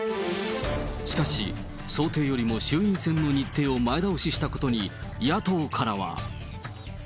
しかし、想定よりも衆院選の日程を前倒ししたことに、野党からは。